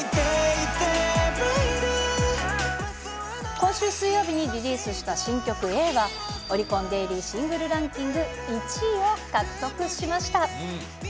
今週水曜日にリリースした新曲、Ａが、オリコンデイリーシングルランキング１位を獲得しました。